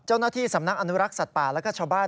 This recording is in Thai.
เจ้าหน้าที่สำนักอนุรักษ์สัตว์ป่าแล้วก็ชาวบ้าน